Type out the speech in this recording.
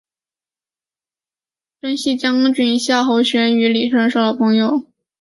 征西将军夏侯玄与李胜是老朋友。